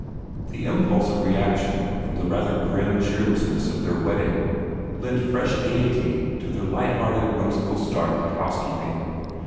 The impulse of reaction from the rather grim cheerlessness of their wedding lent fresh gayety to their lighthearted, whimsical start at housekeeping.